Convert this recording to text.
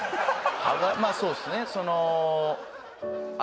まあそうっすね